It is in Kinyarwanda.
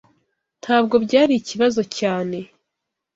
Ntabwo byari ikibazo cyane.